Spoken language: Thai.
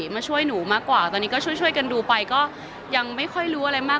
มาช่วยหนูมากกว่าตอนนี้ก็ช่วยกันดูไปก็ยังไม่ค่อยรู้อะไรมาก